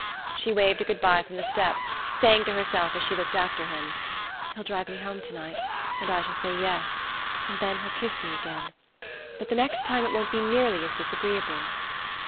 She waved a good bye from the step, saying to herself, as she looked after him: "He'll drive me home to night, and I shall say 'yes'; and then he'll kiss me again. But the next time it won't be nearly as disagreeable."